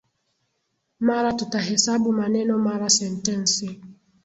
Mara tutahesabu maneno mara sentensi